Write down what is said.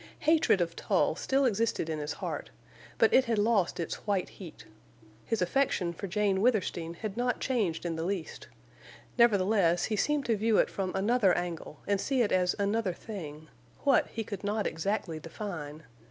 Hatred of Tull still existed in his heart, but it had lost its white heat. His affection for Jane Withersteen had not changed in the least; nevertheless, he seemed to view it from another angle and see it as another thing—what, he could not exactly define.